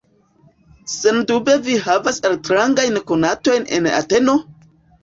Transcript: Sendube vi havas altrangajn konatojn en Ateno?